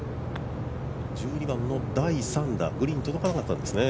１２番の第３打、グリーンに届かなかったんですね。